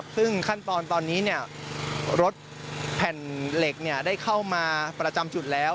ซึ่งขั้นตอนตอนนี้รถแผ่นเหล็กได้เข้ามาประจำจุดแล้ว